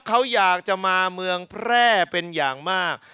เค้าก็อยากจะมาเพื่อเป็นอย่างมาก